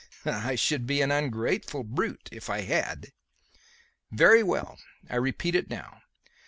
"I should be an ungrateful brute if I had." "Very well. I repeat it now.